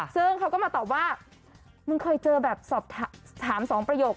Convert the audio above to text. ซึ่งเขาก็มาตอบว่ามึงเคยเจอแบบสอบถามสองประโยค